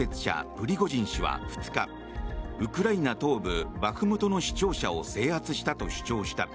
プリゴジン氏は２日ウクライナ東部バフムトの市庁舎を制圧したと主張した。